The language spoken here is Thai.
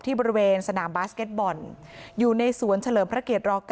บริเวณสนามบาสเก็ตบอลอยู่ในสวนเฉลิมพระเกียร๙